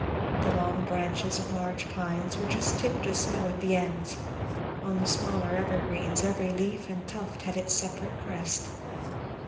The long branches of the large pines were just tipped with snow at the ends; on the smaller evergreens every leaf and tuft had its separate crest.